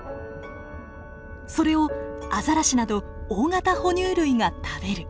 それをアザラシなど大型哺乳類が食べる。